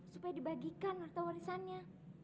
supaya dibagikan harta warisannya